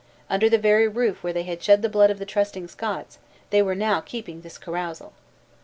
Under the very roof where they had shed the blood of the trusting Scots, they were now keeping this carousal!